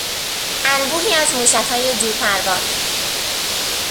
انبوهی از موشکهای دورپرواز